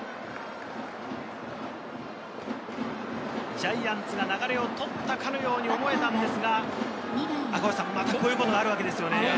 ジャイアンツが流れを取ったかのように思えたんですが、こういうことがあるわけですね。